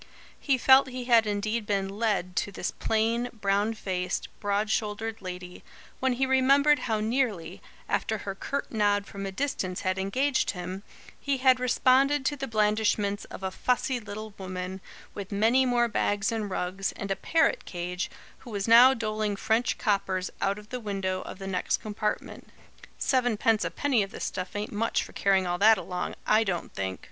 He felt he had indeed been "led" to this plain, brown faced, broad shouldered lady, when he remembered how nearly, after her curt nod from a distance had engaged him, he had responded to the blandishments of a fussy little woman, with many more bags and rugs, and a parrot cage, who was now doling French coppers out of the window of the next compartment. "Seven pence 'apenny of this stuff ain't much for carrying all that along, I DON'T think!"